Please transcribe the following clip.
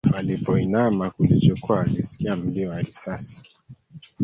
Alipoinama kulichukua alisikia mlio wa risasi